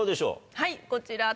はいこちら。